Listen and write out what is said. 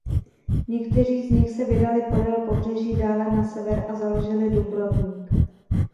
Někteří z nich se vydali podél pobřeží dále na sever a založili Dubrovník.